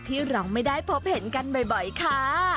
ที่เราไม่ได้พบเห็นกันบ่อยค่ะ